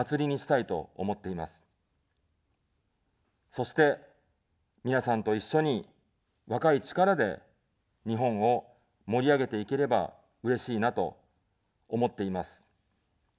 そして、皆さんと一緒に、若い力で日本を盛り上げていければ、うれしいなと思っています。